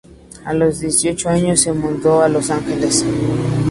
A los dieciocho años se mudó a Los Ángeles.